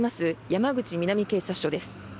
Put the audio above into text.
山口南警察署です。